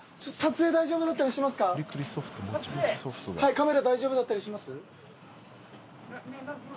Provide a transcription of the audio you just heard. カメラ大丈夫だったりします？